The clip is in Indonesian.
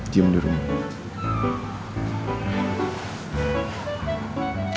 diam di rumah